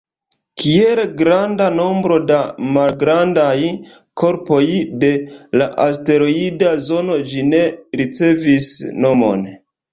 Kiel granda nombro da malgrandaj korpoj de la asteroida zono, ĝi ne ricevis nomon.